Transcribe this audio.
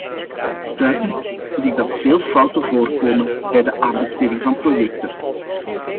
Stuitend vind ik het dat veel fouten voorkomen bij de aanbesteding van projecten.